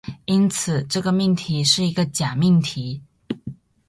因此，这个命题是一个假命题。